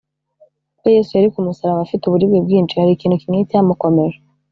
ubwo yesu yari ku musaraba afite uburibwe bwinshi, hari ikintu kimwe cyamukomeje